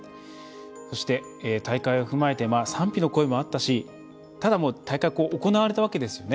大会を踏まえて賛否の声もあったしただ、大会が行われたわけですよね。